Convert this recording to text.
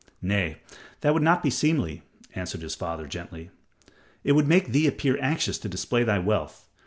"Nay, that would not be seemly," answered his father, gently. "It would make thee appear anxious to display thy wealth.